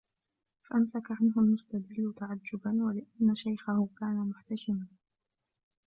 فَأَمْسَكَ عَنْهُ الْمُسْتَدِلُّ تَعَجُّبًا ؛ وَلِأَنَّ شَيْخَهُ كَانَ مُحْتَشِمًا